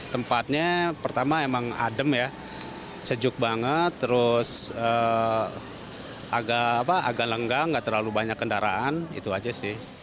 tempatnya pertama memang adem sejuk banget terus agak lenggang tidak terlalu banyak kendaraan itu saja sih